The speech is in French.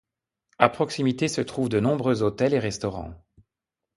À proximité se trouvent de nombreux hôtels et restaurants.